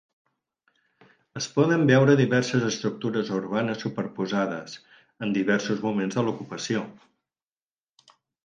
Es poden veure diverses estructures urbanes superposades, amb diversos moments de l'ocupació.